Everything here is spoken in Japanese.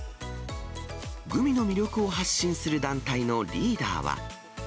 グミの魅力を発信する団体のリーダーは。